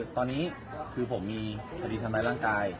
ตอนนี้ตอนนี้ว่าทำไง